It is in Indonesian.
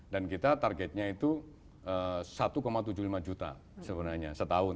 dan kita targetnya itu satu tujuh puluh lima juta sebenarnya setahun